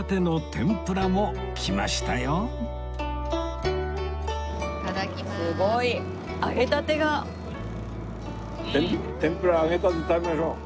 天ぷら揚げたて食べましょう。